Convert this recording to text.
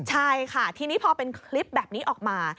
ใช่ค่ะทีนี้พอเป็นคลิปแบบนี้ออกมา